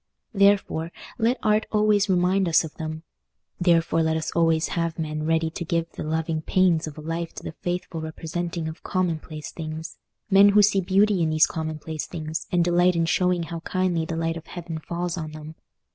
Therefore, let Art always remind us of them; therefore let us always have men ready to give the loving pains of a life to the faithful representing of commonplace things—men who see beauty in these commonplace things, and delight in showing how kindly the light of heaven falls on them.